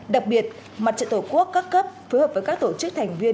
đặc biệt mặt trận tổ quốc các cấp phối hợp với các tổ chức thành viên